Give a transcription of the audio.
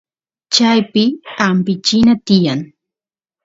chaypi ampichina tiyan